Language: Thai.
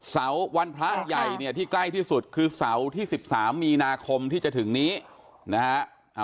วันพระใหญ่เนี่ยที่ใกล้ที่สุดคือเสาร์ที่๑๓มีนาคมที่จะถึงนี้นะฮะ